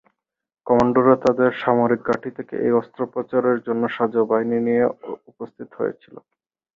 কমান্ডোরা তাদের সামরিক ঘাঁটি থেকে এই অস্ত্রোপচারের জন্য সাঁজোয়া বাহিনী নিয়ে উপস্থিত হয়েছিল।